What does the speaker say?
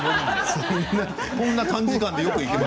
こんな短時間で。